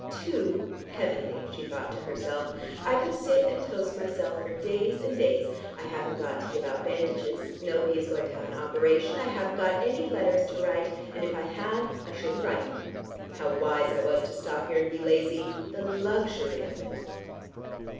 "Too heavenly," she thought to herself. "I could sit and toast myself for days and days. I haven't got to give out bandages, nobody is going to have an operation, I haven't got any letters to write, and if I had I shouldn't write them. How wise I was to stop here and be lazy. The luxury of it!"